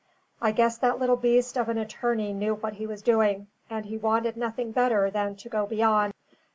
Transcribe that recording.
I guess that little beast of an attorney knew what he was doing; and he wanted nothing better than to go beyond.